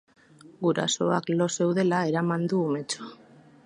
Gurasoak lo zeudela eraman du umetxoa.